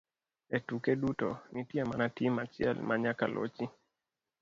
E tuke duto, nitie mana tim achiel ma nyaka lochi